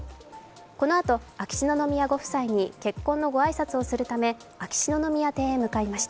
このあと秋篠宮ご夫妻に結婚のご挨拶をするため秋篠宮邸へ向かいました。